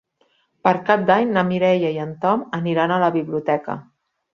Per Cap d'Any na Mireia i en Tom aniran a la biblioteca.